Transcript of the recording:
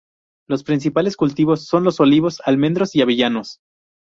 Los principales cultivos son los olivos, almendros y avellanos.